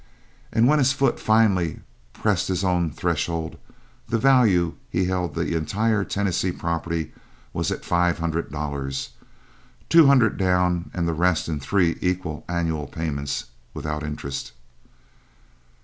And when his foot finally pressed his own threshold, the value he held the entire Tennessee property at was five hundred dollars two hundred down and the rest in three equal annual payments, without interest.